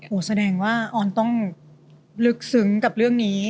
แสดงว่าออนต้องลึกซึ้งกับเรื่องนี้